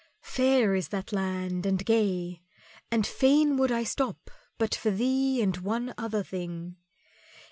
Fair is that land and gay, and fain would I stop but for thee and one other thing.